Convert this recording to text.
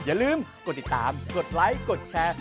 อย่าลืมกดติดตามกดไลค์กดแชร์